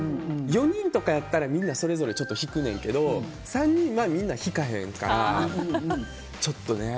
４人とかやったらみんなそれぞれ引くねんけど３人はみんな引かへんからちょっとね。